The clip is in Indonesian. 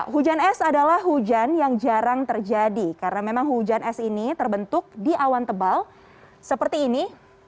hujan es adalah hujan yang jarang terjadi karena memang hujan es ini terbentuk di awan tebal seperti ini